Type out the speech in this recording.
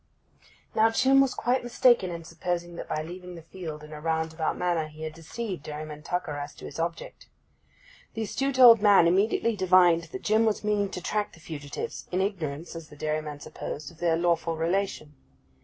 Now Jim was quite mistaken in supposing that by leaving the field in a roundabout manner he had deceived Dairyman Tucker as to his object. That astute old man immediately divined that Jim was meaning to track the fugitives, in ignorance (as the dairyman supposed) of their lawful relation.